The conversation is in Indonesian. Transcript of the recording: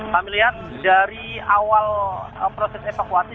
kami lihat dari awal proses evakuasi